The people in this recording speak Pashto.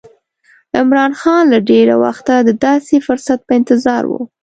عمرا خان له ډېره وخته د داسې فرصت په انتظار و.